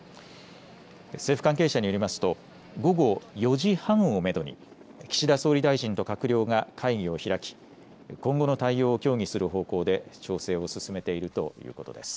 政府関係者によりますと午後４時半をめどに岸田総理大臣と閣僚が会議を開き今後の対応を協議する方向で調整を進めているということです。